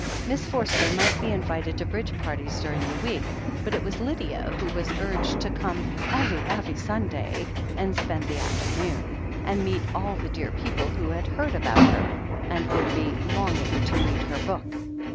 Miss Forster might be invited to Bridge parties during the week, but it was THE HEEL OF ACHILLES 237 Lydia who was urged to come eve'y, eve'y Sunday and spend the afternoon, and meet all the dear people who had heard about her, and would be longing to read her book.